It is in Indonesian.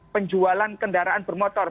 penjualan kendaraan bermotor